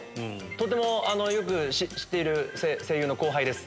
とてもよく知っている声優の後輩です。